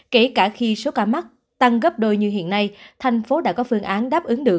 kể cả khi số ca mắc tăng gấp đôi như hiện nay thành phố đã có phương án đáp ứng được